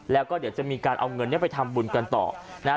แล้วก็เดี๋ยวจะมีการเอาเงินเนี่ยไปทำบุญกันต่อนะฮะ